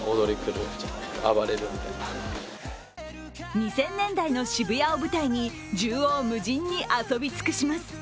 ２０００年代の渋谷を舞台に縦横無尽に遊び尽くします。